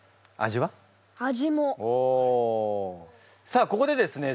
さあここでですね